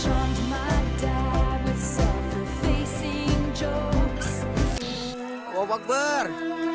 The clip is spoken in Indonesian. oh pak ber